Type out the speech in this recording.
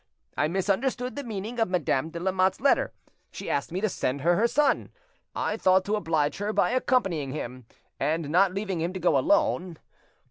I misunderstood the meaning of Madame de Lamotte's letter. She asked me to send her her son, I thought to oblige her by accompanying him, and not leaving him to go alone.